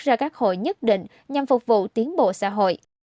ra các hội nhất định nhằm phục vụ tiến bộ xã hội